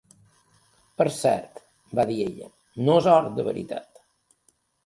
Per cert, va dir ella, no és or de veritat.